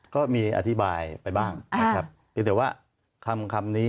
ก็มีอธิบายไปบ้างอย่างเท่าว่าคำนี้